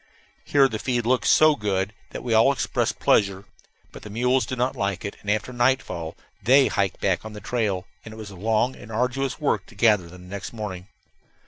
Here the feed looked so good that we all expressed pleasure. But the mules did not like it, and after nightfall they hiked back on the trail, and it was a long and arduous work to gather them next morning.